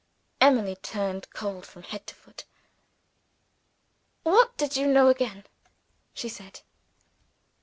Emily turned cold from head to foot. "What did you know again?" she said.